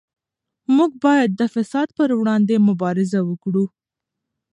موږ باید د فساد پر وړاندې مبارزه وکړو.